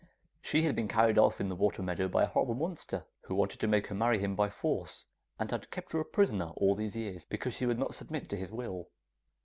She had been carried off in the water meadow by a horrible monster, who wanted to make her marry him by force, and had kept her a prisoner all these years because she would not submit to his will.